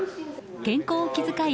健康を気遣い